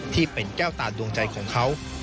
ที่เป็นแก้วตาดวงใจของเขา